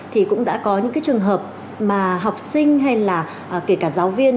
thì cũng đã có những cái trường hợp mà học sinh hay là kể cả giáo viên